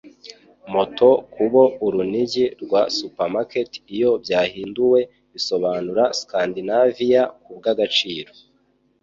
Motto Kubo Urunigi rwa Supermarket Iyo Byahinduwe Bisobanura Scandinaviya Kubwagaciro